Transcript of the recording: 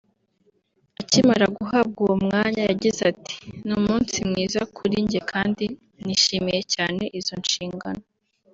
Akimara guhabwa uwo mwanya yagize ati “Ni umunsi mwiza kuri njye kandi nishimiye cyane izo nshingano